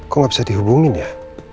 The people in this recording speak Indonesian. kok gak bisa dihubungin ya